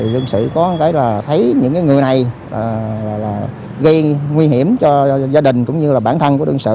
đương sự có thấy những người này gây nguy hiểm cho gia đình cũng như bản thân của đương sự